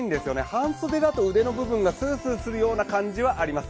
半袖だと腕の部分がスースーするような感じはあります。